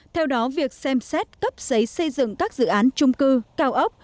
theo đó việc xem xét cấp giấy xây dựng các dự án trung cư cao ốc